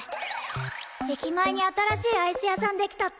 駅前に新しいアイス屋さんできたって。